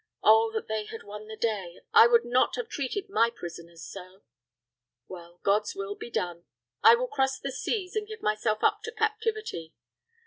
Oh, that they had won the day: I would not have treated my prisoners so. Well, God's will be done I will cross the seas, and give myself up to captivity.